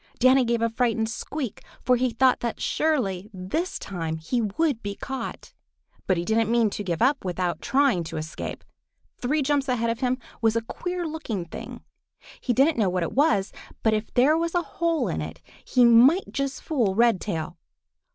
Danny gave a frightened squeak, for he thought that surely this time he would be caught. But he didn't mean to give up without trying to escape. Three jumps ahead of him was a queer looking thing. He didn't know what it was, but if there was a hole in it he might yet fool Redtail.